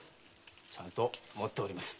ちゃんと持っております。